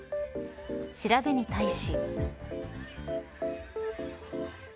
調べに対し。